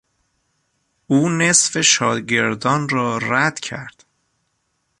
او نصف شاگردان را رد کرد.